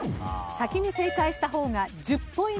先に正解した方が１０ポイント